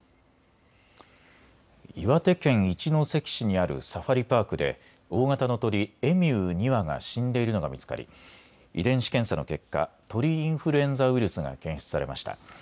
岩手県一関市にあるサファリパークで大型の鳥エミュー２羽が死んでいるのが見つかり遺伝子検査の結果、鳥インフルエンザウイルスが検出されました。